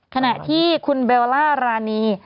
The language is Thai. ขณะที่คุณเบลล่ารานี